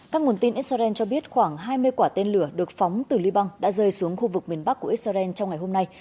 các nguồn tin israel cho biết khoảng hai mươi quả tên lửa được phóng từ liban đã rơi xuống khu vực miền bắc của israel trong ngày hôm nay